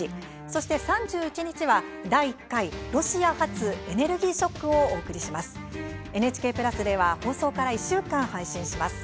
そして、３１日は第１回「ロシア発エネルギーショック」をお送りします。